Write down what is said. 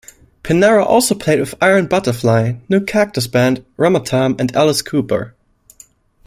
Pinera also played with Iron Butterfly, New Cactus Band, Ramatam, and Alice Cooper.